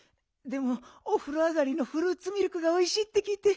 でもおふろ上がりのフルーツミルクがおいしいってきいて。